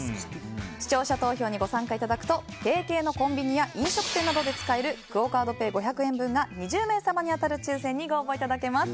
視聴者投票にご参加いただくと提携のコンビニや飲食店などで使えるクオ・カードペイ５００円分が２０名様に当たる抽選にご応募いただけます。